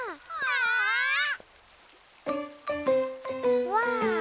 うわ。